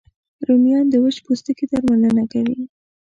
رومیان د وچ پوستکي درملنه کوي